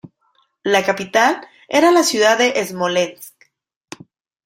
La capital era la ciudad de Smolensk.